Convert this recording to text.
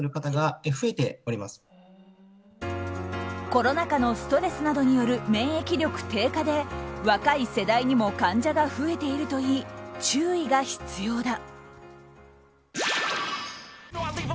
コロナ禍のストレスなどによる免疫力低下で、若い世代にも患者が増えているといい注意が必要だ。